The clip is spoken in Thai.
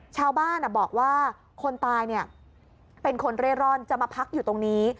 ชาวบ้านบอกว่าคนตายเป็นคนเร่ร่อนจะมาพักอยู่ตรงนี้